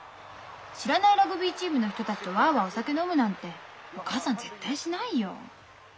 知らないラグビーチームの人たちとワアワアお酒飲むなんてお母さん絶対しないよ。